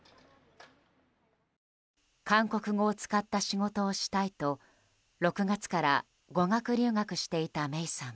韓国語を使った仕事をしたいと６月から語学留学していた芽生さん。